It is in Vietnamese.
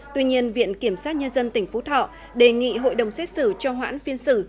tuy nhiên viện kiểm sát nhân dân tỉnh phú thọ đề nghị hội đồng xét xử cho hoãn phiên xử